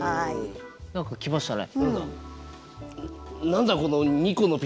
何か来ましたね。